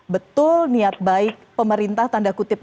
betul niat baik pemerintah tanda kutip